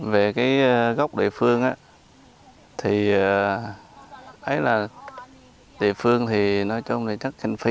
về góc địa phương địa phương nói chung là chất kinh phí